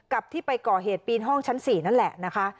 ที่ไปก่อเหตุปีนห้องชั้น๔นั่นแหละนะคะ